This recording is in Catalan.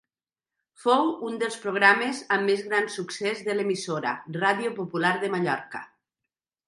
Fou un dels programes amb més gran succés de l'emissora, Ràdio Popular de Mallorca.